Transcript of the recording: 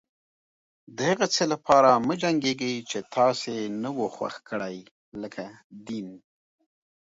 د هغه څه لپاره مه جنګيږئ چې تاسې نه و خوښ کړي لکه دين.